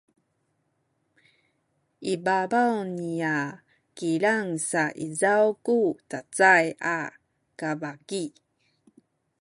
i pabaw niya kilang sa izaw ku cacay a kabaki